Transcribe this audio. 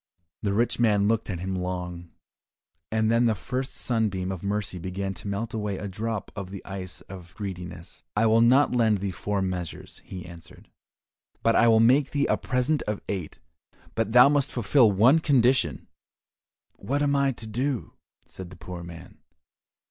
The rich man looked at him long, and then the first sunbeam of mercy began to melt away a drop of the ice of greediness. "I will not lend thee four measures," he answered, "but I will make thee a present of eight, but thou must fulfil one condition." "What am I to do?" said the poor man.